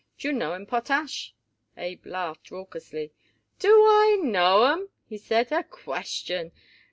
"Do you know 'em, Potash?" Abe laughed raucously. "Do I know 'em?" he said. "A question!